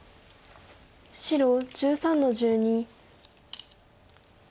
白１３の十二。